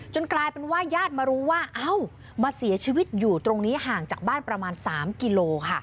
กลายเป็นว่าญาติมารู้ว่าเอ้ามาเสียชีวิตอยู่ตรงนี้ห่างจากบ้านประมาณ๓กิโลค่ะ